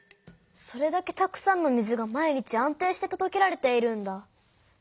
それだけたくさんの水が毎日安定してとどけられているんだ。